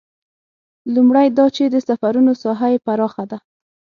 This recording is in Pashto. لومړی دا چې د سفرونو ساحه یې پراخه ده.